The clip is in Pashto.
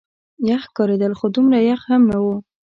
یخ ښکارېدل، خو دومره یخ هم نه.